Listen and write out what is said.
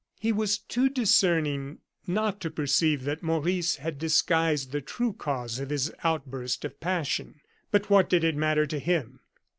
He was too discerning not to perceive that Maurice had disguised the true cause of his outburst of passion; but what did it matter to him?